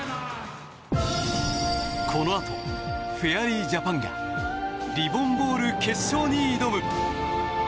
このあとフェアリージャパンがリボン・ボール決勝に挑む。